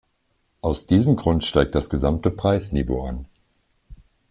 Aus diesem Grund steigt das gesamte Preisniveau an.